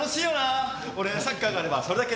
俺はサッカーがあればそれだけで十分！